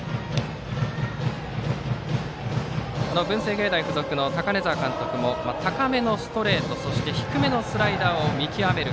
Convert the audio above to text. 文星芸大付属の高根澤力監督も高めのストレートそして低めのスライダーを見極める。